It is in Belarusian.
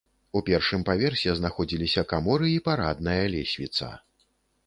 У першым паверсе знаходзіліся каморы і парадная лесвіца.